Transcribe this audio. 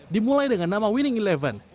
dimulai dengan nama winning eleven